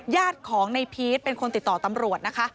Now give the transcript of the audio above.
ญาติของในพีชเป็นคนติดต่อตำรวจนะคะ